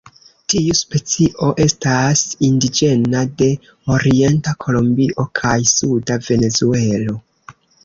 Tiu specio estas indiĝena de orienta Kolombio kaj suda Venezuelo.